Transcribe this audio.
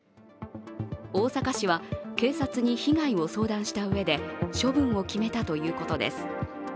大阪市は警察に被害を相談したうえで処分を決めたということです。